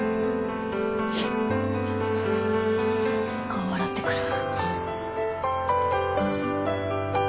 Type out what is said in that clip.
顔洗ってくる。